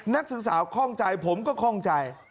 นักศึกษาข้องใจผมก็คล่องใจ